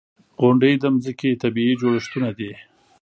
• غونډۍ د ځمکې طبعي جوړښتونه دي.